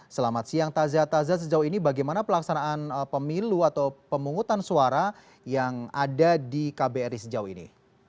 selamat siang tazah tazah sejauh ini bagaimana pelaksanaan pemilu atau pemungutan suara yang ada di kbri sejauh ini